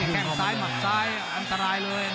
แค่งซ้ายหมัดซ้ายอันตรายเลย